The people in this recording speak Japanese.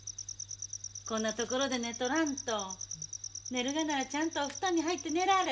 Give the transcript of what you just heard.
こんなところで寝とらんと寝るがならちゃんとお布団に入って寝られ。